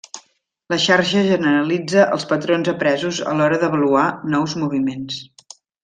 La xarxa generalitza els patrons apresos a l'hora d'avaluar nous moviments.